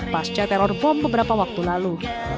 pasca teror bom beberapa waktu lalu